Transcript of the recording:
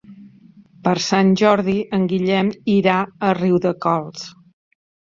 Per Sant Jordi en Guillem irà a Riudecols.